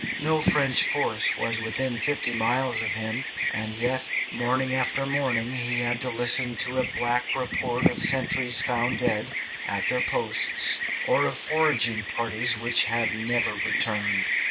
No French force was within fifty miles of him, and yet morning after morning he had to listen to a black report of sentries found dead at their posts, or of foraging parties which had never returned.